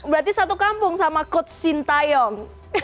berarti satu kampung sama coach shin taeyong